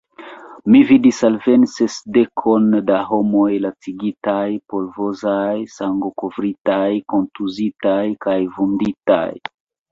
Mi vidis alveni sesdekon da homoj lacigitaj, polvozaj, sangokovritaj, kontuzitaj kaj vunditaj.